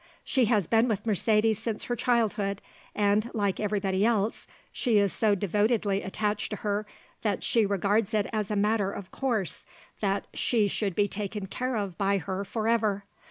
She has been with Mercedes since her childhood, and, like everybody else, she is so devotedly attached to her that she regards it as a matter of course that she should be taken care of by her for ever.